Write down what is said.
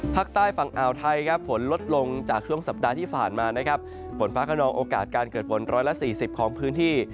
ภาคใต้ฝั่งอ่าวไทยครับฝนลดลงจากช่วงสัปดาห์ที่ผ่านมานะครับฝนฟ้าขนองโอกาสการเกิดฝน๑๔๐ของพื้นที่